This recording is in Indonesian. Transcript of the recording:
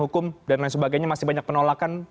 hukum dan lain sebagainya masih banyak penolakan